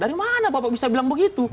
dari mana bapak bisa bilang begitu